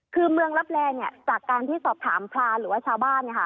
คือเมืองรับแลจากการที่สอบถามพลานโลกชาวบ้าน